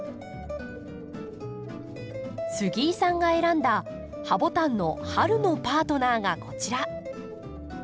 杉井さんが選んだハボタンの春のパートナーがこちら。